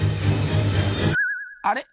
あれ？